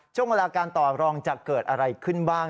ช่วงเวลาการต่อรองจะเกิดอะไรขึ้นบ้าง